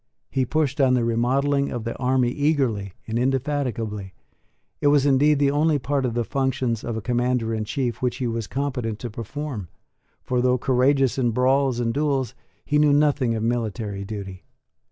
He pushed on the remodelling of the army eagerly and indefatigably. It was indeed the only part of the functions of a Commander in Chief which he was competent to perform; for, though courageous in brawls and duels, he knew nothing of military duty.